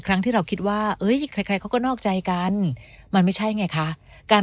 ครั้งที่เราคิดว่าเอ้ยใครใครเขาก็นอกใจกันมันไม่ใช่ไงคะการ